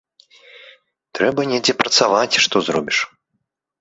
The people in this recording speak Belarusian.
Трэба недзе працаваць, што зробіш.